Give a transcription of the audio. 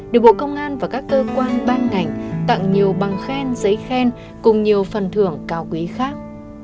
được bộ công an và các cơ quan ban ngành tặng nhiều bằng khen giấy khen cùng nhiều phần thưởng cao quý khác